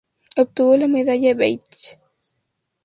Obtuvo la Medalla Veitch.